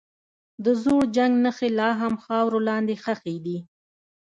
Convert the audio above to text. د زوړ جنګ نښې لا هم خاورو لاندې ښخي دي.